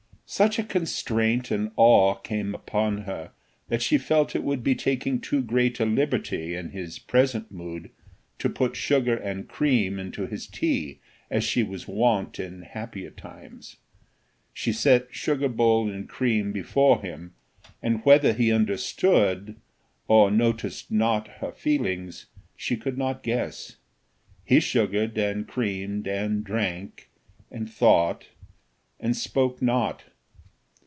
Such a constraint and awe came upon her, that she felt it would be taking too great a liberty, in his present mood, to put sugar and cream into his tea, as she was wont in happier times. She set sugar bowl and cream before him, and whether he understood, or noticed not her feelings, she could not guess. He sugared, and creamed, and drank, and thought, and spoke not.